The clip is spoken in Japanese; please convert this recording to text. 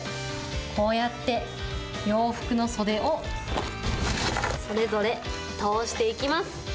こうやって、洋服の袖をそれぞれ通していきます。